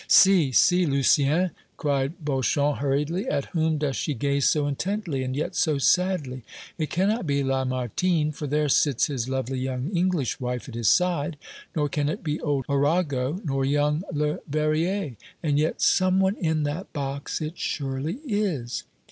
"See, see, Lucien!" cried Beauchamp, hurriedly; "at whom does she gaze so intently, and yet so sadly? It cannot be Lamartine, for there sits his lovely young English wife at his side; nor can it be old Arago, nor young Le Verrier; and yet some one in that box it surely is."